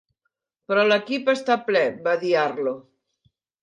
"Però l'equip està ple", va dir Arlo.